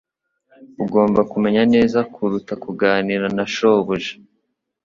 Ugomba kumenya neza kuruta kuganira na shobuja